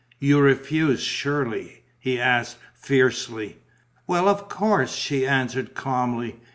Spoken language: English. "You refused, surely?" he asked, fiercely. "Well, of course," she answered, calmly.